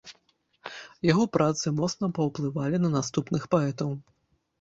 Яго працы моцна паўплывалі на наступных паэтаў.